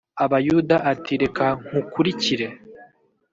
Abayuda ati reka kunkurikire